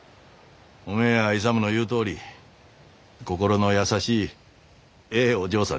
おめえや勇の言うとおり心の優しいええお嬢さんじゃ。